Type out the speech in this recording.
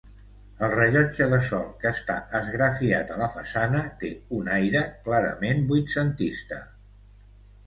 El rellotge de sol que està esgrafiat a la façana té un aire clarament vuitcentista.